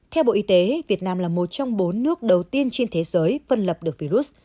theo bộ y tế việt nam là một trong bốn nước đầu tiên trên thế giới phân lập được virus